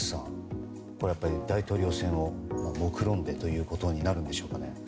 大統領選をもくろんでということになるんでしょうか。